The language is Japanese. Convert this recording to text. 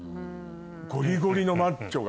ゴリゴリのマッチョが。